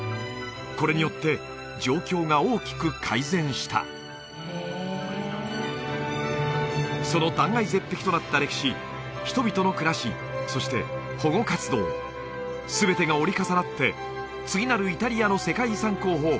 これによって状況が大きく改善したへえその断崖絶壁となった歴史人々の暮らしそして保護活動全てが折り重なって次なるイタリアの世界遺産候補